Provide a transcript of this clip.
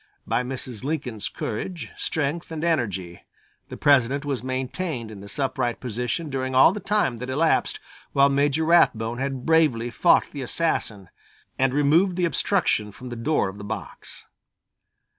By Mrs. Lincoln's courage, strength and energy the President was maintained in this upright position during all the time that elapsed while Major Rathbone had bravely fought the assassin and removed the obstruction from the door of the box.